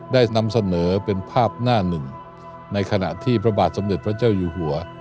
ได้นำเสนอเป็นภาพหน้าหนึ่งในขณะที่พระบาทสมเด็จพระเจ้าอยู่หัว